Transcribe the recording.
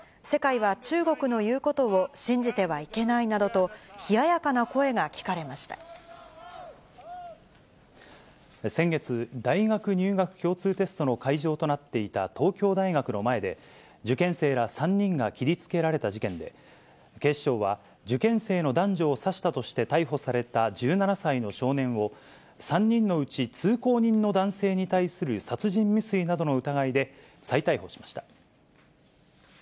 世界は中国の言うことを信じてはいけないなどと、冷ややかな声が先月、大学入学共通テストの会場となっていた東京大学の前で、受験生ら３人が切りつけられた事件で、警視庁は、受験生の男女を刺したとして逮捕された１７歳の少年を、３人のうち通行人の男性に対する殺人未遂などの疑いで再逮捕しました。